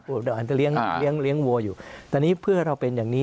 ครับอ่าเลี้ยงเลี้ยงเลี้ยงบัวอยู่แต่นี้เพื่อเราเป็นอย่างนี้